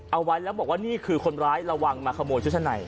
เอาไว้แล้วบอกว่านี่คือคนร้ายระวังมาขโมยชุดชั้นใน